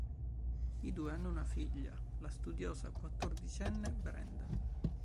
I due hanno una figlia, la studiosa quattordicenne Brenda.